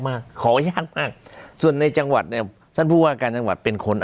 มากขอยากมากส่วนในจังหวัดส่วนผู้อาจารย์จังหวัดเป็นคน